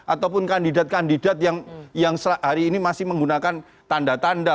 ataupun kandidat kandidat yang hari ini masih menggunakan tanda tanda